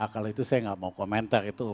kalau itu saya nggak mau komentar itu